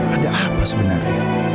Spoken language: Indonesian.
ada apa sebenarnya